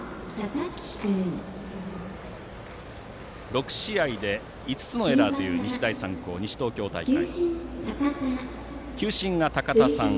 ６試合で５つのエラーという日大三高、西東京大会。